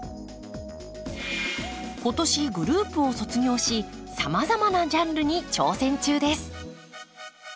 今年グループを卒業しさまざまなジャンルに挑戦中です。